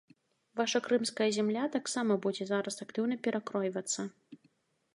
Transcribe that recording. Ваша крымская зямля таксама будзе зараз актыўна перакройвацца.